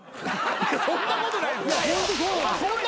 そんなことないですよ。